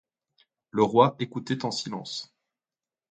Le roi écoutait en silence.